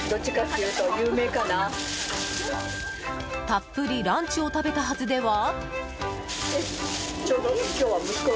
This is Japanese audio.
たっぷりランチを食べたはずでは？